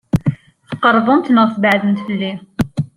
Tqeṛbemt neɣ tbeɛdemt fell-i?